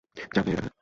যা মেরে দেখা!